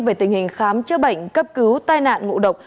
về tình hình khám chữa bệnh cấp cứu tai nạn ngộ độc